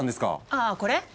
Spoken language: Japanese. ああこれ？